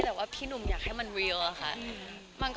แต่ว่าพี่หนุ่มอยากให้มันวิวอะค่ะ